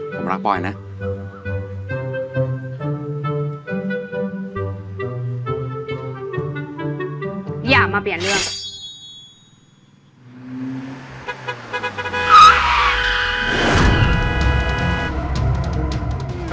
ผมรักปลอดภัยนะ